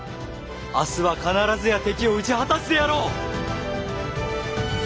明日は必ずや敵を討ち果たすであろう！